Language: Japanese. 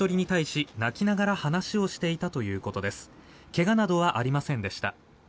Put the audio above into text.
怪我などはありませんでした。